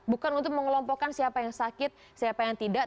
bukan untuk mengelompokkan siapa yang sakit siapa yang tidak